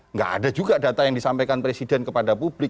nggak ada juga data yang disampaikan presiden kepada publik